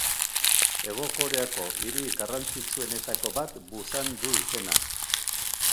Hego Koreako hiri garrantzitsuenetako bat Busan du izena.